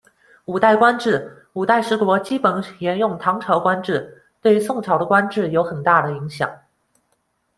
五代官制，五代十国基本沿用唐朝官制，对宋朝的官制有很大的影响。